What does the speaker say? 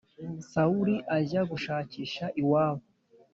sawuli ajya gushikisha i wabo